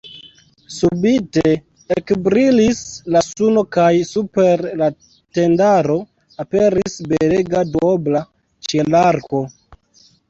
Subite ekbrilis la suno kaj super la tendaro aperis belega duobla ĉielarko.